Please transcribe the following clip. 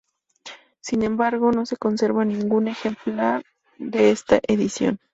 Sin embargo, no se conserva ningún ejemplar de esta edición.